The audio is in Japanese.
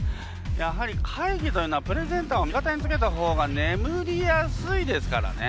やはり会議というのはプレゼンターを味方につけた方が眠りやすいですからね。